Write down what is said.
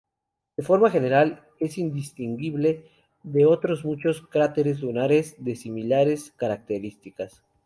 De forma general, es indistinguible de otros muchos cráteres lunares de similares características.